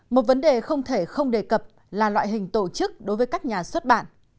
một vấn đề không thể không đề cập là loại hình tổ chức đối với các nhà xuất bản